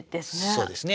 そうですね。